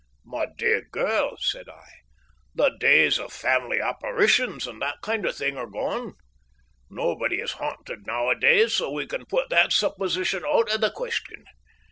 "My dear girl," said I, "the days of family apparitions and that kind of thing are gone. Nobody is haunted nowadays, so we can put that supposition out of the question.